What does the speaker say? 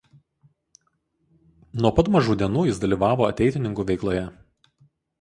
Nuo pat mažų dienų jis dalyvavo ateitininkų veikloje.